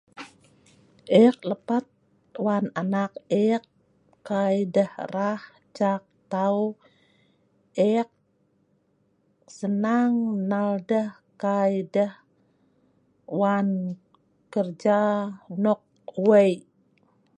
Eek lepat wan anak eek, kai deh rah chak tau, eek senang nal deh kai deh wan kerja nok weik.